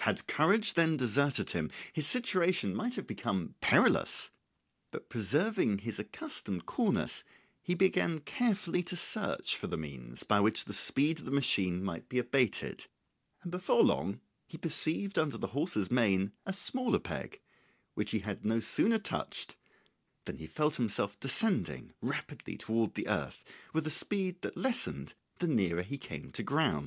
Had courage then deserted him, his situation might have become perilous; but preserving his accustomed coolness he began carefully to search for the means by which the speed of the machine might be abated, and before long he perceived under the horse's mane a smaller peg, which he had no sooner touched than he felt himself descending rapidly toward the earth, with a speed that lessened the nearer he came to ground.